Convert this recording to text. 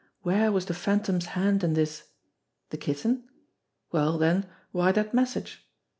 Where was the Phantom's hand in this? The Kitten? Well, then, why that message?